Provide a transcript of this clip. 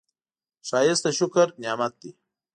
ښایست د شکر نعمت دی